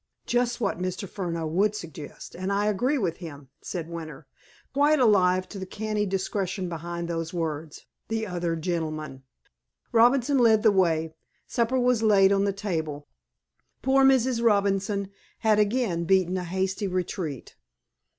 "Just what Mr. Furneaux would suggest, and I agree with him," said Winter, quite alive to the canny discretion behind those words, "the other gentleman." Robinson led the way. Supper was laid on the table. Poor Mrs. Robinson had again beaten a hasty retreat.